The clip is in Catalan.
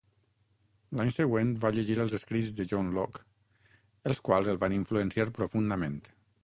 L'any següent, va llegir els escrits de John Locke, els quals el van influenciar profundament.